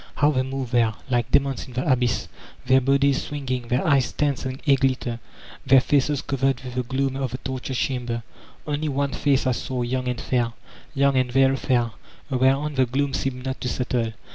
How they moved there, like demons in the abyss, their bodies swinging, their eyes tense and a glitter, their faces covered with the gloom of the torture chamber I Only ant face I saw, yoong and fair — young and very fair — ^whereon the gloom seemed not to settle.